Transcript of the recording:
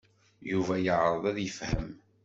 Yuba yeɛreḍ ad yefhem.